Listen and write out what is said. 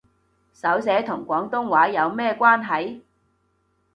手寫同廣東話有咩關係